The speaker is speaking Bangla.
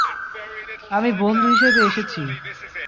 আমি বন্ধু হিসেবে এসেছি।